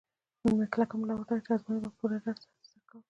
نن مې کلکه ملا وتړله چې ازموینې به په پوره ډاډ سره ترسره کوم.